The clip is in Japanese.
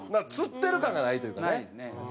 吊ってる感がないというかね。